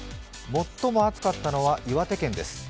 最も暑かったのは岩手県です。